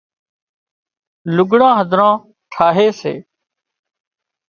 لُگھڙان هڌران ٺاهي سي